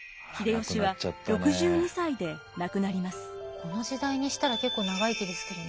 この時代にしたら結構長生きですけどね。